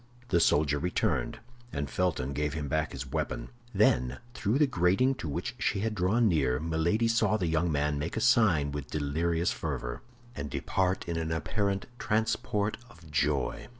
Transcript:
The soldier returned, and Felton gave him back his weapon. Then, through the grating to which she had drawn near, Milady saw the young man make a sign with delirious fervor, and depart in an apparent transport of joy.